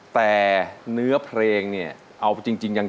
แต่เนื้อเพลง